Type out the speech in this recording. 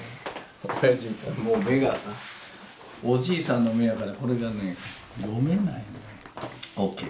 オヤジもう目がさおじいさんの目やからこれがね読めないのよ。ＯＫ。